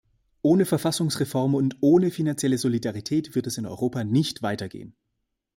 Ohne Verfassungsreform und ohne finanzielle Solidarität wird es in Europa nicht weiter gehen.